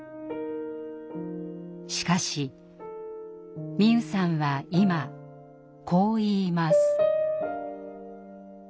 しかし美夢さんは今こう言います。